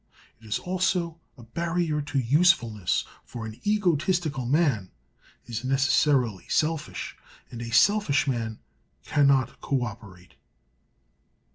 It is also a barrier to usefulness, for an egotistical man is necessarily selfish and a selfish man cannot co operate.